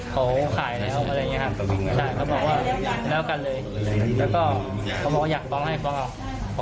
เขาขายแล้วอะไรอย่างเงี้ครับใช่เขาบอกว่าแล้วกันเลยแล้วก็เขาบอกว่าอยากฟ้องให้กอง